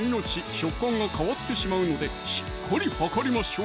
食感が変わってしまうのでしっかり量りましょう